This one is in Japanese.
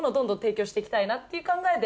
っていう考えで。